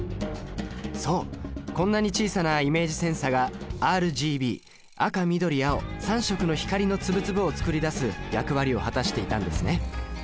そうこんなに小さなイメージセンサがＲＧＢ赤緑青３色の光の粒々を作り出す役割を果たしていたんですね。